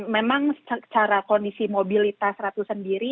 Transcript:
memang secara kondisi mobilitas ratu sendiri